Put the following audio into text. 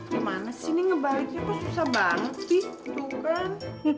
gimana sih ini ngebaliknya kok susah banget sih tuh kan